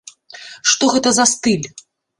Што гэта за стыль?